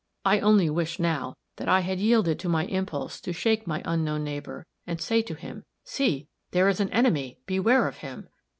I only wish, now, that I had yielded to my impulse to shake my unknown neighbor, and say to him 'See! there is an enemy! beware of him!'